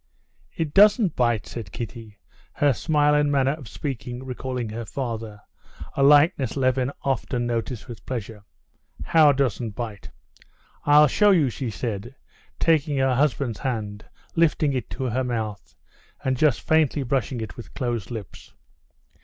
"It doesn't bite," said Kitty, her smile and manner of speaking recalling her father, a likeness Levin often noticed with pleasure. "How doesn't bite?" "I'll show you," she said, taking her husband's hand, lifting it to her mouth, and just faintly brushing it with closed lips.